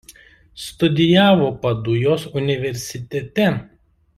Studijavo Padujos universitete.